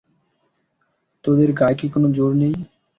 তোদের গায়ে কি কোনো জোর নেই!